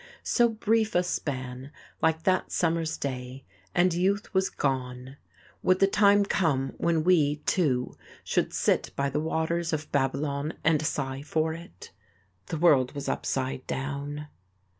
So brief a span, like that summer's day, and youth was gone! Would the time come when we, too, should sit by the waters of Babylon and sigh for it? The world was upside down.